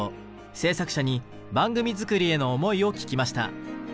制作者に番組作りへの思いを聞きました。